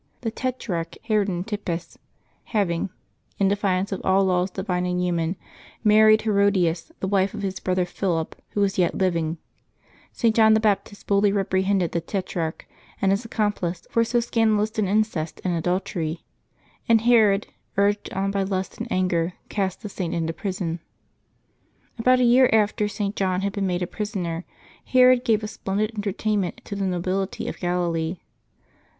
The tetrarch Herod xA.ntipas having, in defiance of all laws divine and human, married Herodias, the wife of his brother Philip, who was yet living, St. John the Baptist boldly reprehended the tetrarch and his accomplice for so scandalous an incest and adultery, and Herod, urged on by lust and anger, cast the Saint into prison. About a year after St. John had been made a prisoner, Herod gave a splendid entertain ment to the nobility of Galilee.